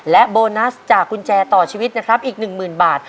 และโบนัสจากกุญแจต่อชีวิตนะครับอีก๑๐๐๐บาท